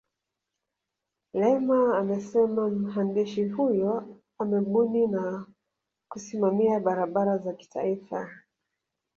Lema amesema mhandisi huyo amebuni na kusimamia barabara za kitaifa